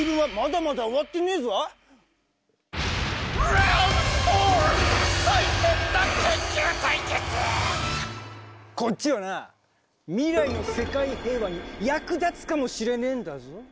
ではもうお二人ともこっちはな未来の世界平和に役立つかもしれねえんだぞ。